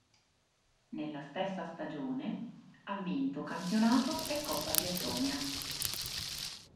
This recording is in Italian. Nella stessa stagione ha vinto campionato e Coppa di Lettonia.